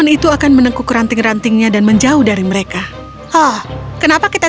ibu dan kedua putrinya berkata